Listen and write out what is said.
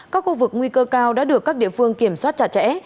các khu vực nguy cơ cao đã được các địa phương kiểm soát chặt chẽ